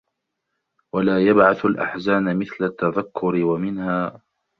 وَلَا يَبْعَثُ الْأَحْزَانَ مِثْلُ التَّذَكُّرِ وَمِنْهَا